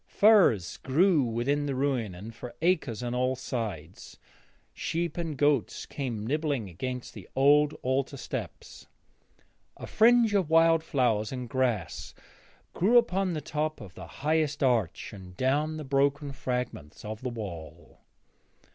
Furze grew within the ruin and for acres on all sides. Sheep and goats came nibbling against the old altar steps. A fringe of wallflower and grass grew upon the top of the highest arch and down the broken fragments of the wall.